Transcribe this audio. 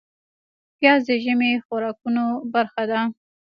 پیاز د ژمي خوراکونو برخه ده